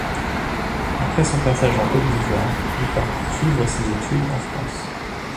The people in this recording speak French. Après son passage en Côte d'Ivoire, il part poursuivre ses études en France.